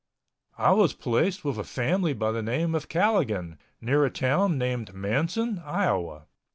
I was placed with a family by name of Calligan, near a town named Manson, Iowa.